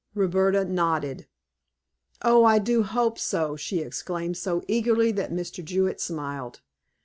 Roberta nodded. "O, I do hope so!" she exclaimed so eagerly that Mr. Jewett smiled.